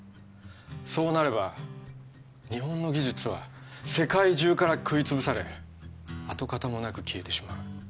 そうなれば日本の技術は世界中から食い潰され跡形もなく消えてしまう